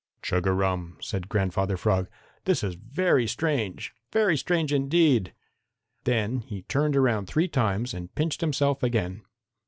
"Chug a rum!" said Grandfather Frog. "This is very strange, very strange, indeed!" Then he turned around three times and pinched himself again.